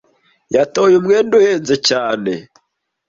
Yatoye umwenda uhenze cyane.